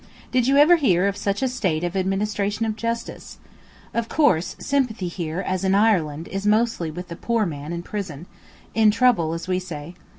Did you ever hear of such a state of administration of justice. Of course, sympathy here, as in Ireland, is mostly with the 'poor man' in prison—'in trouble,' as we say.